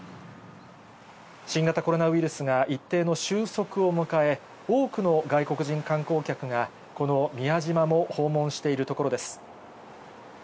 新型コロナウイルスが一定の収束を迎え、多くの外国人観光客が、この宮島も訪問しているところです。